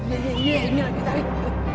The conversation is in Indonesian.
iya ini lagi ditarik